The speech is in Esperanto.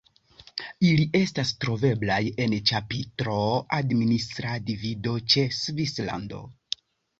Ili estas troveblaj en ĉapitro "Administra divido" ĉe "Svislando".